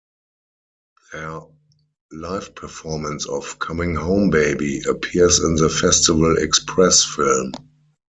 Their live performance of "Comin' Home Baby" appears in the "Festival Express" film.